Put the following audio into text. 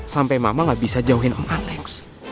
sampai mama gak bisa jauhin sama alex